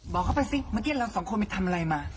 บอกเขาไปสิเมื่อกี้เราสองคนไปทำอะไรมา